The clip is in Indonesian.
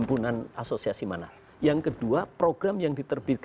uangnya itu di